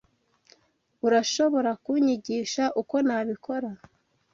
Urashobora kunyigisha uko nabikora?